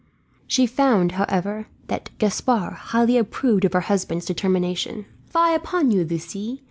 She found, however, that Gaspard highly approved of her husband's determination. "Fie upon you, Lucie.